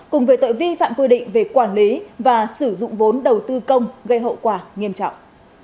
cùng với tội vi phạm quy định về quản lý và sử dụng vốn đầu tư công gây hậu quả nghiêm trọng